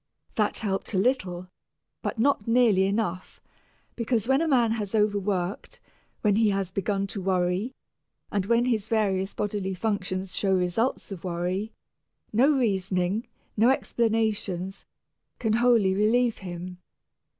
That helped a little, but not nearly enough, because when a man has overworked, when he has begun to worry, and when his various bodily functions show results of worry, no reasoning, no explanations, can wholly relieve him.